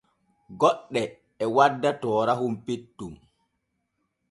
Goɗɗe e wadda toorahon petton.